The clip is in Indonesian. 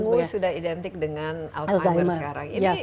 jadi ungu sudah identik dengan alzheimer sekarang